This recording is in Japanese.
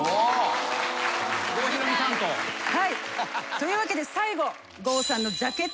というわけで最後。